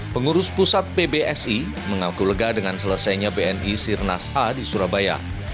pengurus pusat pbsi mengaku lega dengan selesainya bni sirnas a di surabaya